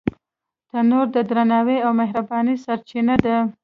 تنور د درناوي او مهربانۍ سرچینه ده